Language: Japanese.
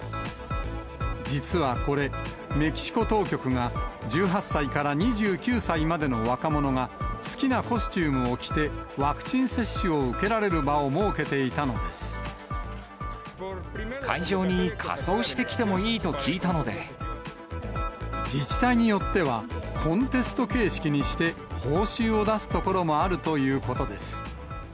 実はこれ、メキシコ当局が１８歳から２９歳までの若者が、好きなコスチュームを着てワクチン接種を受けられる場を設けてい会場に仮装してきてもいいと自治体によっては、コンテスト形式にして、報酬を出す所もあるということです。